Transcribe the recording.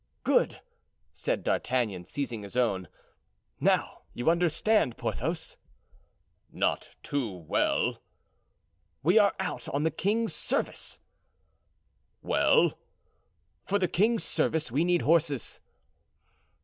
"Good!" said D'Artagnan, seizing his own; "now you understand, Porthos?" "Not too well." "We are out on the king's service." "Well?" "For the king's service we need horses."